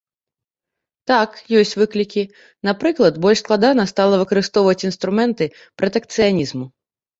Так, ёсць выклікі, напрыклад, больш складана стала выкарыстоўваць інструменты пратэкцыянізму.